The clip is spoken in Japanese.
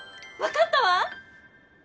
わかったわ！